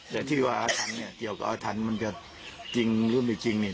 แต่ที่ว่าอาถรรพ์เนี่ยเกี่ยวกับอาถรรพ์มันจะจริงหรือไม่จริงเนี่ย